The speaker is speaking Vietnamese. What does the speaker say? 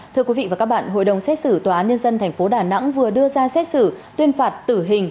thưa quý vị và các bạn hội đồng xét xử tòa án nhân dân tp đà nẵng vừa đưa ra xét xử tuyên phạt tử hình